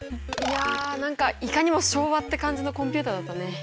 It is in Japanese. いや何かいかにも昭和って感じのコンピューターだったね！